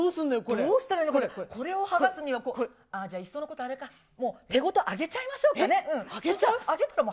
どうしたらいいの、これ、これを剥がすには、これ、ああ、じゃあ、いっそのこと、手ごと揚げちゃおうかね。